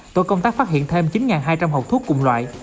tổ công tác phát hiện thêm chín hai trăm linh hộp thuốc cùng loại